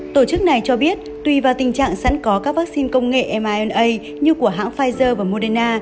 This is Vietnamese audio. tổ chức này cho biết tùy vào tình trạng sẵn có các vaccine công nghệ mina như của hãng pfizer và moderna